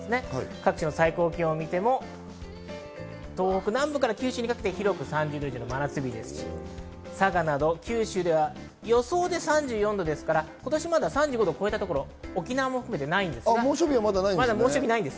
各地の最高気温を見てみると東北南部から九州にかけて広く３０度以上、佐賀など九州では３４度ですから、今年は、まだ３５度が出たのは沖縄も含めてまだないんです。